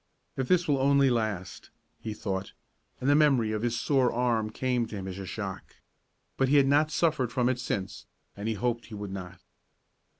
"If it will only last," he thought, and the memory of his sore arm came to him as a shock. But he had not suffered from it since, and he hoped he would not.